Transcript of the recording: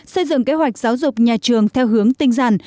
xây dựng kế hoạch giáo dục nhà trường theo hướng tinh giản